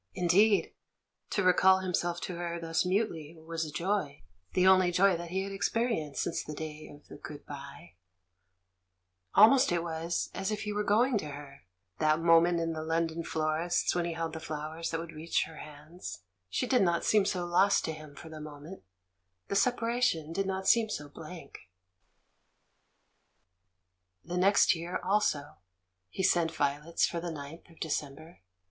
Indeed, to recall himself to her thus mutely was a joy, the only joy that he had experienced since the day of the "good bye"; almost it was as if he were 2?t) 240 THE MAN WHO UNDERSTOOD WOMEN going to her, that moment in the London florist's when he held the flowers that would reach her hands; she did not seem so lost to him for the moment, the separation did not seem so blank. The next year, also, he sent violets for the ninth of December.